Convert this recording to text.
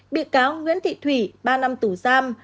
bị cáo nguyễn thị thủy ba năm tù giam